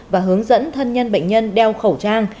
và hướng dẫn thân nhân bệnh nhân đeo khẩu trang